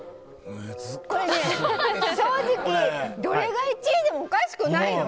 正直、どれが１位でもおかしくないの。